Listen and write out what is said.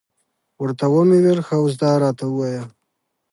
ورته ومې ویل، ښه اوس دا راته ووایه.